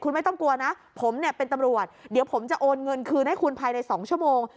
คุณไม่ต้องกลัวนะผมเนี่ยเป็นตำรวจเดี๋ยวผมจะโอนเงินคืนให้คุณภายใน๒ชั่วโมง